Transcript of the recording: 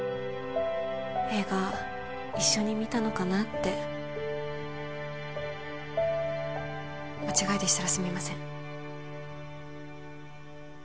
映画一緒に見たのかなって間違いでしたらすみません